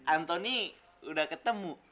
antoni udah ketemu